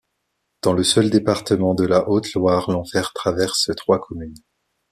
Dans le seul département de la Haute-Loire, l'Enfer traverse trois communes.